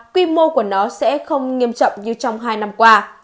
quy mô của nó sẽ không nghiêm trọng như trong hai năm qua